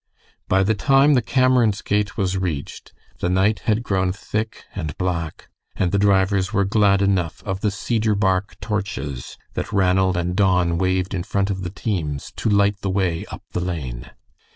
By the time the Cameron's gate was reached the night had grown thick and black, and the drivers were glad enough of the cedar bark torches that Ranald and Don waved in front of the teams to light the way up the lane.